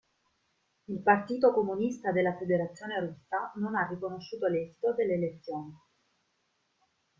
Il Partito Comunista della Federazione Russa non ha riconosciuto l'esito delle elezioni.